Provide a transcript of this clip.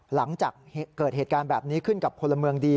หลังจากเกิดเหตุการณ์แบบนี้ขึ้นกับพลเมืองดี